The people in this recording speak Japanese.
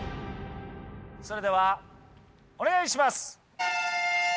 それではお願いします！